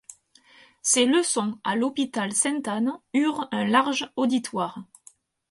Ses leçons à l'hôpital Sainte-Anne eurent un large auditoire.